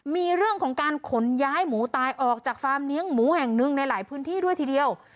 มีเรื่องของการขนย้ายหมูตายออกจากฟาร์มเลี้ยงหมูแห่งหนึ่งในหลายพื้นที่ด้วยทีเดียว